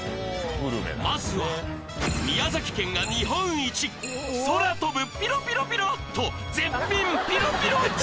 まずは宮崎県が日本一「空飛ぶピロピロピロ」と「絶品ピロピロ重」